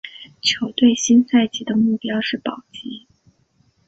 球队新赛季的目标是保级。